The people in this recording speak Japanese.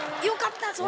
よかった！